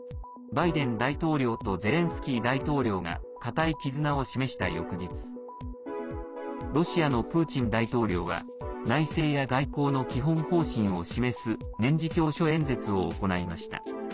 バイデン大統領とゼレンスキー大統領が固い絆を示した翌日ロシアのプーチン大統領は内政や外交の基本方針を示す年次教書演説を行いました。